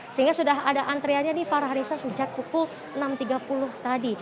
sehingga sudah ada antriannya ini para desa sejak pukul enam tiga puluh tadi